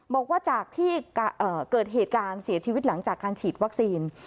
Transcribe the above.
บอกว่าจากที่เกิดเหตุการณ์เสียชีวิตหลังจากการฉีดวัคซีน